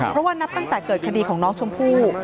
เพราะว่านับตั้งแต่เกิดคดีของน้องชมพู่